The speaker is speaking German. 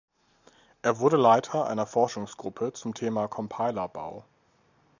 Er wurde Leiter einer Forschungsgruppe zum Thema Compilerbau.